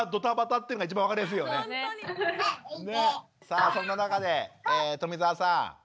さあそんな中で冨澤さん。